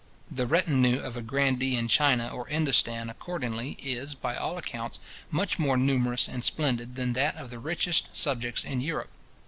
The retinue of a grandee in China or Indostan accordingly is, by all accounts, much more numerous and splendid than that of the richest subjects in Europe.